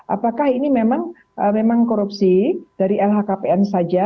apakah ini memang korupsi dari lhkpn saja